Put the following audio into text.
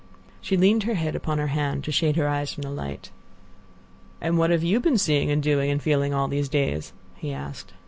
She leaned her head upon her hand to shade her eyes from the light. "And what have you been seeing and doing and feeling all these days?" he asked.